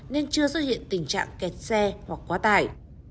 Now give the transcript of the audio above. nên chưa xuất hiện tình trạng kẹt xe hoặc quá tải